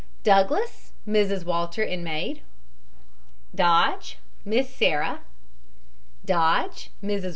DOUGLAS, MRS. WALTER, and maid. DODGE, MISS SARAH. DODGE, MRS.